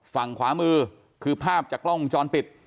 ฝั่งขวามือคือภาพจากกล้องวงจรปิด